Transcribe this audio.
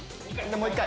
もう１回。